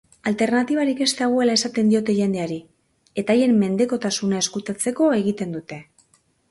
Alternatibarik ez dagoela esaten diote jendeari, eta haien mendekotasuna ezkutatzeko egiten dute.